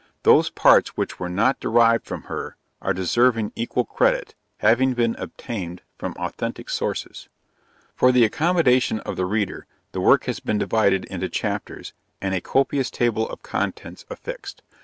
Those parts which were not derived from her, are deserving equal credit, having been obtained from authentic sources. For the accommodation of the reader, the work has been divided into chapters, and a copious table of contents affixed.